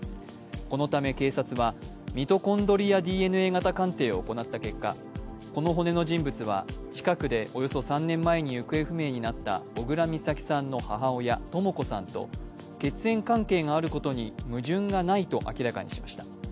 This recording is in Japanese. このため警察は、ミトコンドリアＤＮＡ型鑑定を行った結果、この骨の人物は近くでおよそ３年前に行方不明になった小倉美咲さんの母親・とも子さんと血縁関係があることに矛盾がないと明らかにしました。